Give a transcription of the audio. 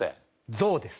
象です。